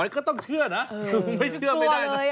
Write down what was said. ก็ต้องเชื่อนะไม่เชื่อไม่ได้นะ